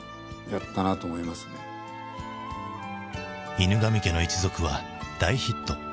「犬神家の一族」は大ヒット。